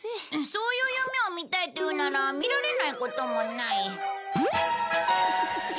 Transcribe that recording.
そういう夢を見たいというなら見られないこともない。